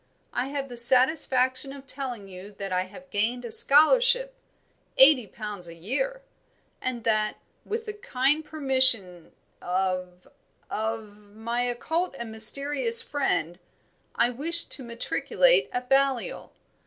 I have the satisfaction of telling you that I have gained a scholarship eighty pounds a year and that, with the kind permission of of my occult and mysterious friend, I wish to matriculate at Balliol.